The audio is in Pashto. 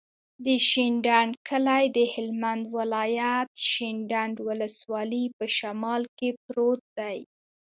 د شینډنډ کلی د هلمند ولایت، شینډنډ ولسوالي په شمال کې پروت دی.